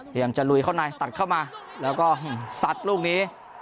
เตรียมจะลุยเข้าในตัดเข้ามาเราก็สัดลูกนี้